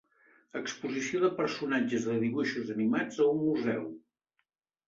Exposició de personatges de dibuixos animats a un museu.